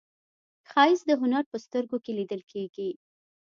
ښایست د هنر په سترګو کې لیدل کېږي